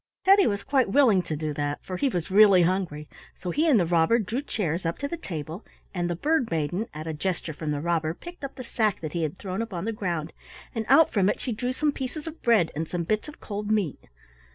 Teddy was quite willing to do that, for he was really hungry, so he and the robber drew chairs up to the table, and the Bird maiden, at a gesture from the robber, picked up the sack that he had thrown upon the ground, and out from it she drew some pieces of bread and some bits of cold meat.